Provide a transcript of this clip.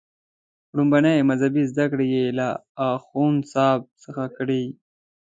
لومړنۍ مذهبي زده کړې یې له اخوندصاحب څخه کړي.